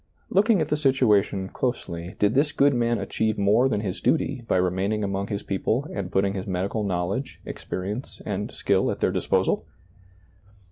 Looking at the situation closely, did this good man achieve more than his duty by remaining among his people and putting his medical knowledge, ex perience and skill at their disposal